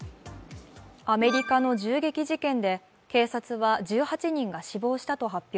アメリカの銃撃事件で、警察は１８人が死亡したと発表。